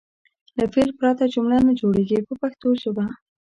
له فعل پرته جمله نه جوړیږي په پښتو ژبه.